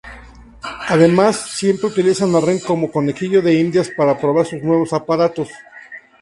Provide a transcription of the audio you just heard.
Además siempre utiliza a Ren como conejillo de indias para probar sus nuevos aparatos.